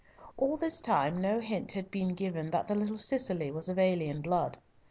All this time no hint had been given that the little Cicely was of alien blood.